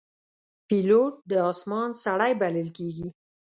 پیلوټ د آسمان سړی بلل کېږي.